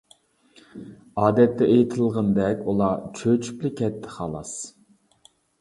ئادەتتە ئېيتىلغىنىدەك ئۇلار چۆچۈپلا كەتتى، خالاس.